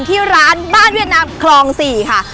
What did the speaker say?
ที่ร้านบ้านเวียดนามคลอง๔ค่ะ